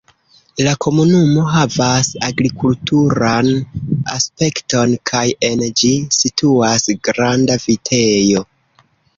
La komunumo havas agrikulturan aspekton kaj en ĝi situas granda vitejo.